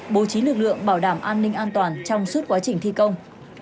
bố trí lực lượng bảo đảm an ninh an toàn trong suốt quá trình thi công